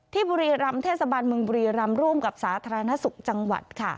บุรีรำเทศบาลเมืองบุรีรำร่วมกับสาธารณสุขจังหวัดค่ะ